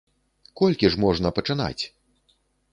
Колькі ж можна пачынаць?!